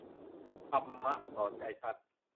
ธรรมะสอนใจสั้น